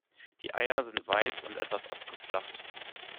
Die Eier sind weiß und etwas abgeflacht.